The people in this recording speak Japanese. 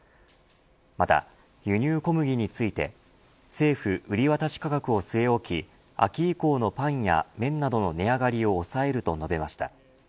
また、輸入小麦について政府売り渡し価格を据え置き秋以降のパンやめんなどの値上がりを抑えると述べました。